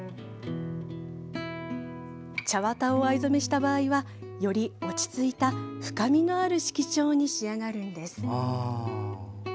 茶綿を藍染めした場合はより落ち着いた深みのある色調に仕上がるんです。